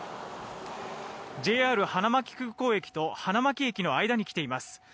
ＪＲ花巻空港駅と花巻駅の間に来ています。